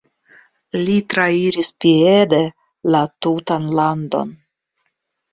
Li trairis piede la tutan landon.